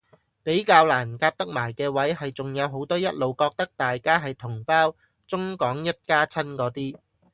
比較難夾得埋嘅位係仲有好多一路覺得大家係同胞中港一家親嗰啲